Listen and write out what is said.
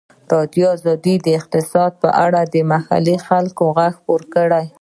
ازادي راډیو د اقتصاد په اړه د محلي خلکو غږ خپور کړی.